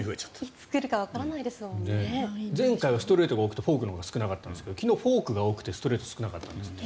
この前はストレートが多くてフォークが少なかったんですが昨日、フォークが多くてストレートが少なかったんですって。